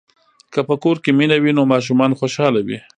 که په کور کې مینه وي نو ماشومان خوشاله وي.